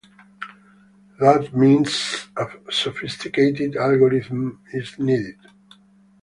That means a sophisticated algorithm is needed.